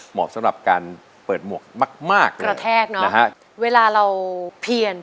เหมาะสำหรับการเปิดหมวกมากเลย